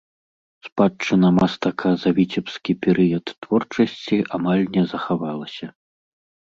Спадчына мастака за віцебскі перыяд творчасці амаль не захавалася.